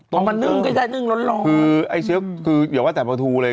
เอามานึ่งก็ได้นึ่งร้อนคืออย่าว่าแต่ประทูเลย